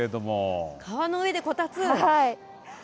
川の上でこたつ。